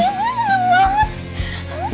ini gue seneng banget